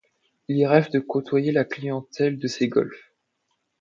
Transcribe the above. Il rêve de cotoyer la clientèle de ces golfs.